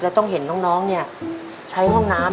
ต้องเห็นน้องใช้ห้องน้ำ